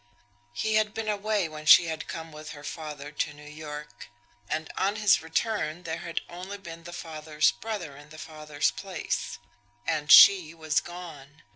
He had been away when she had come with her father to New York; and on his return there had only been the father's brother in the father's place and she was gone.